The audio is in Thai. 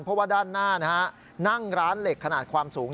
เพราะว่าด้านหน้านั่งร้านเหล็กขนาดความสูง